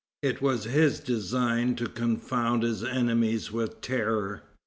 It was his design to confound his enemies with terror.